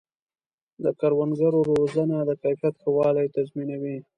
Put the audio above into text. د کروندګرو روزنه د کیفیت ښه والی تضمینوي.